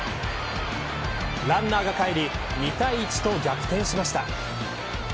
ランナーがかえり２対１と逆転しました。